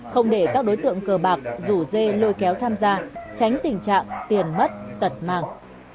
không để các đối tượng cờ bạc rủ dê lôi kéo tham gia tránh tình trạng tiền mất tật mang